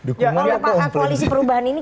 oleh pakat koalisi perubahan ini